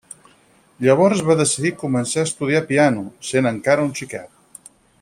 Llavors va decidir començar a estudiar piano, sent encara un xiquet.